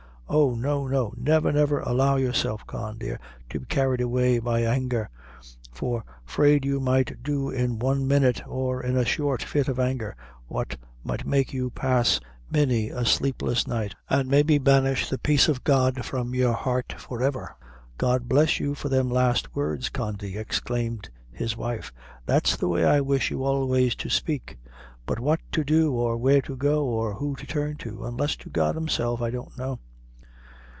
Oh, no, no, never, never allow yourself, Con, dear, to be carried away by anger, for 'fraid you might do in one minute, or in a short fit of anger, what might make you pass many a sleepless night, an' maybe banish the peace of God from your heart forever!" "God bless you for them last words, Condy!" exclaimed his wife, "that's the way I wish you always to spake; but what to do, or where to go, or who to turn to, unless to God himself, I don't know."